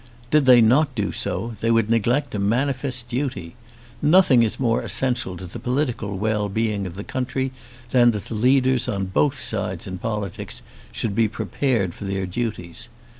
Did they not do so they would neglect a manifest duty. Nothing is more essential to the political well being of the country than that the leaders on both sides in politics should be prepared for their duties.